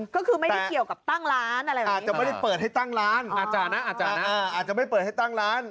ก็คือไม่ได้กรายเกี่ยวกับตั้งร้าน